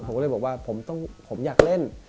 ผมก็เลยบอกว่าผมอยากเล่น